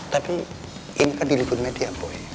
tapi ini kan diliput media boy